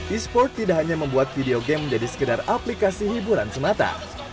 e sport tidak hanya membuat video game menjadi sekedar aplikasi hiburan semata